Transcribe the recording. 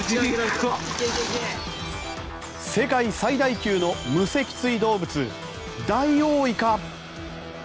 世界最大級の無脊椎生物ダイオウイカ。